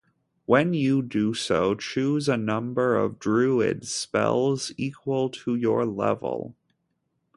When you do so, choose a number of druid spells equal to your level.